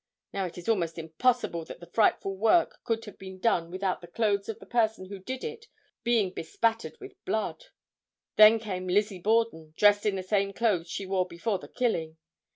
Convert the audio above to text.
Now it is almost impossible that this frightful work could have been done without the clothes of the person who did it being bespattered with blood. Then came Lizzie Borden, dressed in the same clothes she wore before the killing.